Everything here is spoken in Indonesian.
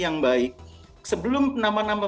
yang baik sebelum nama nama